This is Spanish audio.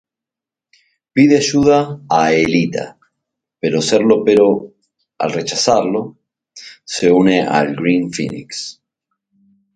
Pide ayuda a Aelita para serlo pero, al rechazarlo, se une al Green Phoenix.